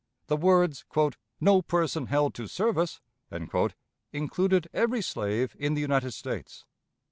The words "no person held to service" included every slave in the United States.